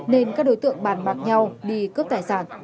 nên các đối tượng bàn bạc nhau đi cướp tài sản